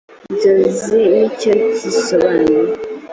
nzozi n icyo zisobanura